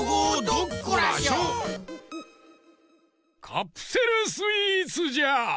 カプセルスイーツじゃ。